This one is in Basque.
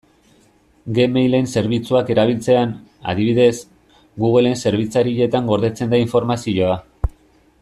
Gmail-en zerbitzuak erabiltzean, adibidez, Google-en zerbitzarietan gordetzen da informazioa.